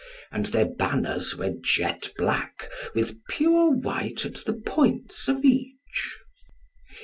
And their banners were jet black with pure white at the point of each.